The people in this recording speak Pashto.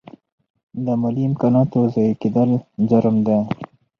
د مالي امکاناتو ضایع کیدل جرم دی.